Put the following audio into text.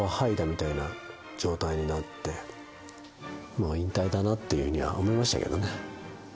もう引退だなっていうふうには思いましたけどね